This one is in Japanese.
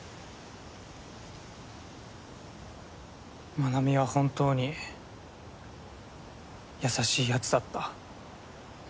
真奈美は本当に優しいやつだった。